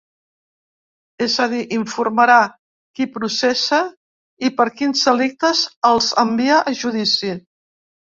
És a dir, informarà qui processa i per quins delictes els envia a judici.